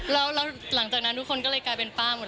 แล้วหลังจากนั้นทุกคนก็เลยกลายเป็นป้าหมด